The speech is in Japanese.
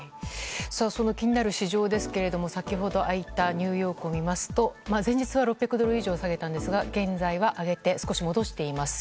その気になる市場ですが先ほど開いたニューヨークを見ますと前日は６００ドル以上下げたんですが、現在は上げて少し戻しています。